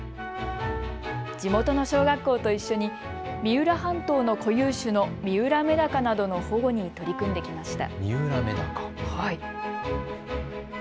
地元の小学校と一緒に三浦半島の固有種の三浦メダカなどの保護に取り組んできました。